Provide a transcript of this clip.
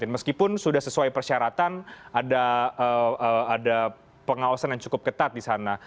meskipun sudah sesuai persyaratan ada pengawasan yang cukup ketat di sana